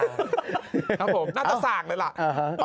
น่าจะฟากเลยเหละ